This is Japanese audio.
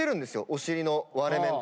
お尻の割れ目の所。